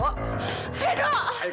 ayo keluar pak